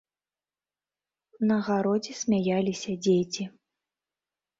На гародзе смяяліся дзеці.